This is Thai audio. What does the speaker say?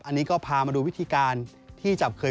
อันนี้ก็พามาดูวิธีการที่จะเคย